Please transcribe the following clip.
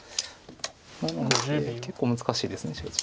なので結構難しいです正直。